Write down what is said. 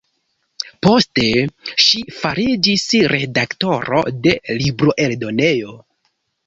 Poste ŝi fariĝis redaktoro de libroeldonejo.